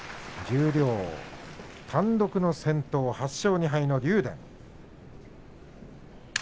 十両単独の先頭８勝２敗の竜電。